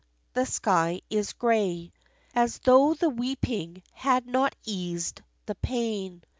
The sky is gray, As though the weeping had not eased the pain.